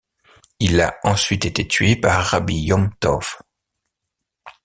Il a ensuite été tué par Rabbi Yom Tov.